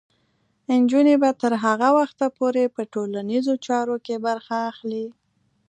نجونې به تر هغه وخته پورې په ټولنیزو چارو کې برخه اخلي.